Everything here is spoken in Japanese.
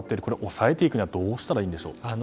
抑えていくにはどうしたらいいんでしょうか。